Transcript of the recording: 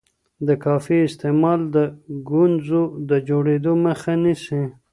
د کافي استعمال د ګونځو د جوړیدو مخه نیسي.